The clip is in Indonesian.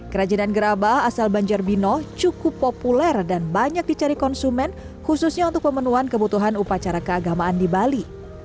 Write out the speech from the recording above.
kerajinan gerabah asal banjarbino cukup populer dan banyak dicari konsumen khususnya untuk pemenuhan kebutuhan upacara keagamaan di bali